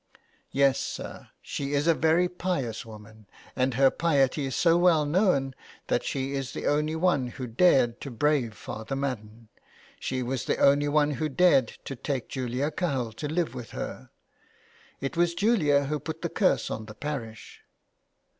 " Yes, sir, she is a very pious woman, and her piety is so well known that she is the only one who dared to brave Father Madden ; she was the only one who dared to take Julia Cahill to live with her. It was Julia who put the curse on the parish."